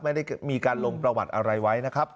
ไม่ได้มีการลงประวัติอะไรไว้นะครับ